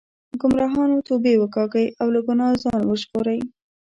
ګمراهانو توبې وکاږئ او له ګناه ځان وژغورئ.